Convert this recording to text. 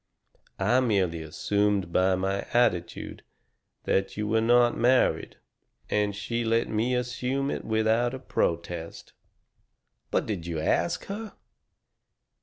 I merely assumed by my attitude that you were not married, and she let me assume it without a protest." "But did you ask her?"